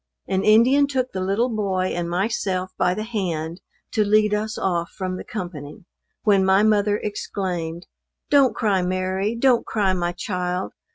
An Indian took the little boy and myself by the hand, to lead us off from the company, when my mother exclaimed, "Don't cry Mary don't cry my child.